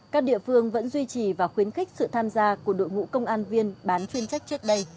các địa phương vẫn duy trì và khuyến khích sự tham gia của đội ngũ công an viên bán chuyên trách trước đây